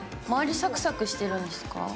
周り、サクサクしてるんですか？